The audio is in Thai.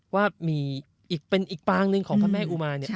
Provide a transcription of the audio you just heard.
ว่ามีอีกเป็นอีกปางหนึ่งของพระแม่อุมาเนี่ย